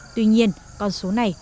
tuy nhiên con số này